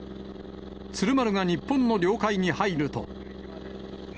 鶴丸が日本の領海に入ると。